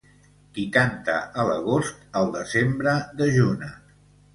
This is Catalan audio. Qui canta a l'agost, al desembre dejuna.